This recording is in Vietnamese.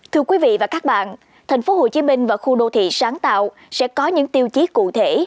thưa quý vị và các bạn thành phố hồ chí minh và khu đô thị sáng tạo sẽ có những tiêu chí cụ thể